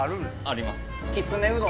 あります。